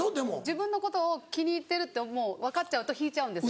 自分のことを気に入ってるってもう分かっちゃうと引いちゃうんですよ。